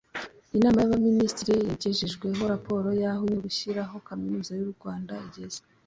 Inama y’Abaminisitiri yagejejweho raporo y’aho imyiteguro yo gushyiraho Kaminuza y’u Rwanda igeze